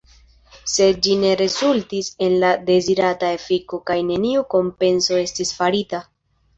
Sed ĝi ne rezultis en la dezirata efiko kaj neniu kompenso estis farita.